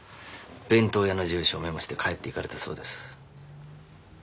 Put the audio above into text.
弁当屋の住所をメモして帰っていかれたそうです